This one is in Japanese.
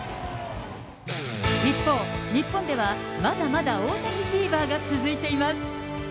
一方、日本では、まだまだ大谷フィーバーが続いています。